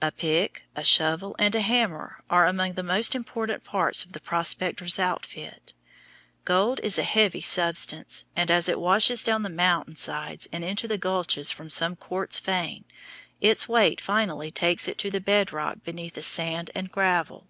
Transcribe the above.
A pick, a shovel, and a hammer are among the most important parts of the prospector's outfit. Gold is a heavy substance, and as it washes down the mountain sides and into the gulches from some quartz vein, its weight finally takes it to the bed rock beneath the sand and gravel.